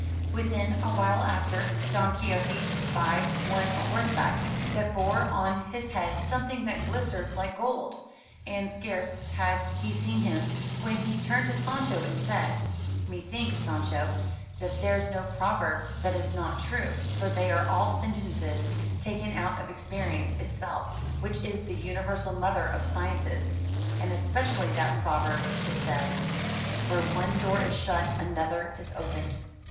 Within a while after, Don Quixote espied one a horseback, that bore on his head something that glistered like gold. And scarce had he seen him, when he turned to Sancho, and said : "Methinks, Sancho, that there's no proverb that is not true; for they are all sentences taken out of experience itself, which is the universal mother of sciences; and especially that proverb that says: * Where one door is shut another is opened.'